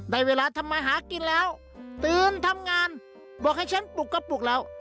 ได้เวลาทำมาหากินแล้วตื่นทำงานบอกให้ฉันปลุกกระปุกแล้ว